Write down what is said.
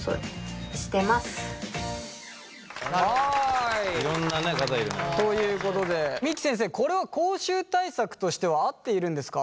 いろんな方いるね。ということで三木先生これは口臭対策としては合っているんですか？